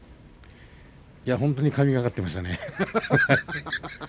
本当に神がかっていましたね。